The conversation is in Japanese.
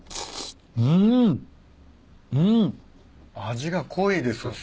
味が濃いです